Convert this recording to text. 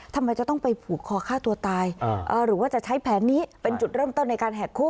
ทำไมจะต้องไปผูกคอฆ่าตัวตายหรือว่าจะใช้แผนนี้เป็นจุดเริ่มต้นในการแหกคู่